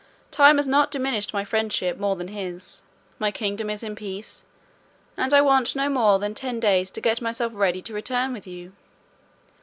Time has not diminished my friendship more than his. My kingdom is in peace, and I want no more than ten days to get myself ready to return with you.